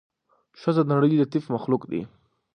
ښځه د نړۍ لطيف مخلوق دې